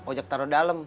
ojak taruh dalem